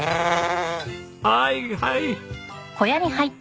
はいはい！